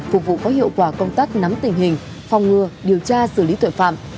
phục vụ có hiệu quả công tác nắm tình hình phòng ngừa điều tra xử lý tội phạm